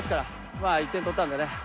まあ１点取ったんでね。